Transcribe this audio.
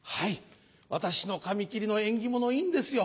私の紙切りの縁起物いいんですよ。